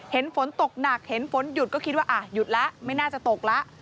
เห็นฝนตกหนักเห็นฝนหยุดก็คิดว่าอ่ะหยุดแล้วไม่น่าจะตกแล้ว